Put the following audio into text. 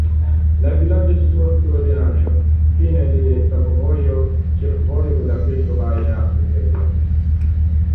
La vilaĝo situas sur ebenaĵo, fine de sakovojo, ĉefvojo Budapeŝto-Baja preteriras.